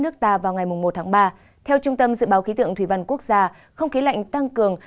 nước ta vào ngày một tháng ba theo trung tâm dự báo khí tượng thủy văn quốc gia không khí lạnh tăng cường